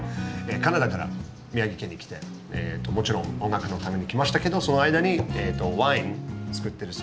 カナダから宮城県に来てもちろん音楽のために来ましたけどその間にワインつくってる。